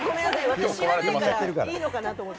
私、知らないからいいのかなって。